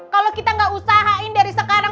kalau kita nggak usahain dari sekarang